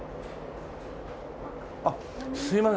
あっすいません。